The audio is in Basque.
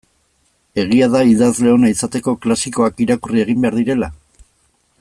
Egia da idazle ona izateko klasikoak irakurri egin behar direla?